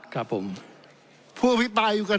ท่านประธานที่ขอรับครับ